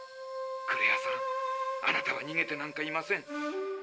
クレアさんあなたはにげてなんかいません。